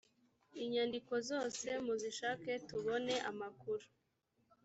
inyandiko zose muzishake tubone amakuru